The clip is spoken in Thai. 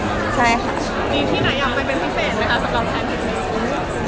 มีที่ไหนอยากไปเป็นที่เฟนไหมคะสำหรับแพทย์ที่นี่คุณ